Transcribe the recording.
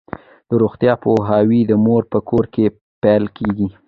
د روغتیا پوهاوی د مور په کور کې پیل کیږي.